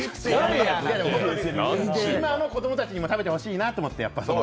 今の子供たちにも食べてほしいなって。